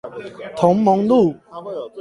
同盟路